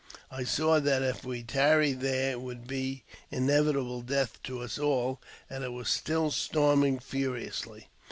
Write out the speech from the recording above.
I saw that if we tarried there it would be inevitable death to us all, and it was .still storming furiously.